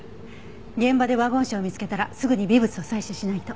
現場でワゴン車を見つけたらすぐに微物を採取しないと。